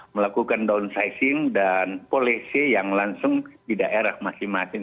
melakukan downsizing dan polisi yang langsung di daerah masing masing